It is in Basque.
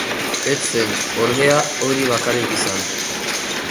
Ez zen, ordea, hori bakarrik izan.